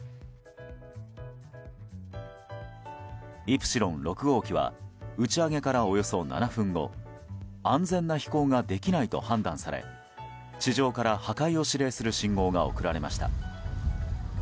「イプシロン６号機」は打ち上げからおよそ７分後安全な飛行ができないと判断され地上から破壊を指令する信号が送られました。